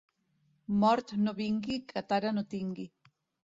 Mort no vingui que tara no tingui.